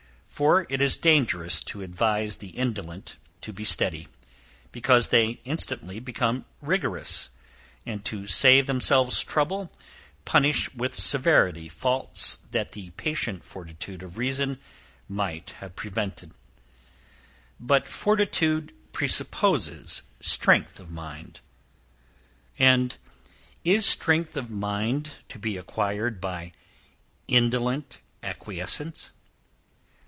For it is dangerous to advise the indolent to be steady, because they instantly become rigorous, and to save themselves trouble, punish with severity faults that the patient fortitude of reason might have prevented. But fortitude presupposes strength of mind, and is strength of mind to be acquired by indolent acquiescence?